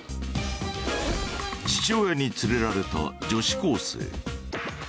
父親に連れられた女子高生。